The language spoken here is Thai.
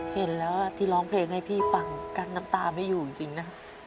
เห็นแล้วที่ร้องเพลงให้พี่ฟังกั้นน้ำตาไม่อยู่จริงนะ